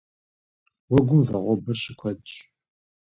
Уэгум вагъуэбэр щыкуэдщ.